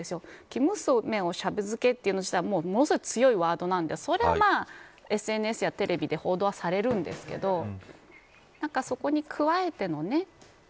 生娘をシャブ漬けというのはものすごい強いワードなんでそれはＳＮＳやテレビで報道はされるんですけどそこに加えての。